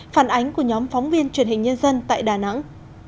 phản ánh của nhóm phóng viên truyền hình nhân dân tại đà nẵng